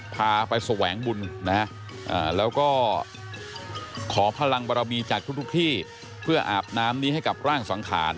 พาไปแสวงบุญนะฮะแล้วก็ขอพลังบรมีจากทุกที่เพื่ออาบน้ำนี้ให้กับร่างสังขาร